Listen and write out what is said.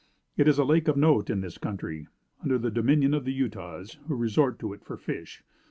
It is a lake of note in this country, under the dominion of the Utahs, who resort to it for fish.